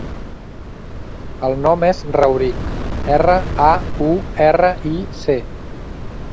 El nom és Rauric: erra, a, u, erra, i, ce.